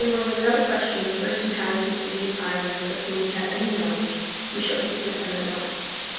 were without question the first inhabitants of these islands of whom we have any knowledge, we shall speak of them at once.